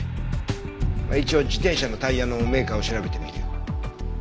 一応自転車のタイヤのメーカーを調べてみるよ。